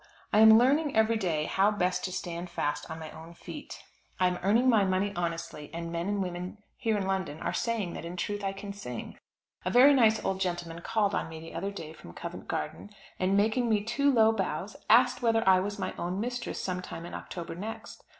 I am learning every day how best to stand fast on my own feet. I am earning my money honestly, and men and women here in London are saying that in truth I can sing. A very nice old gentleman called on me the other day from Covent Garden, and, making me two low bows, asked whether I was my own mistress some time in October next.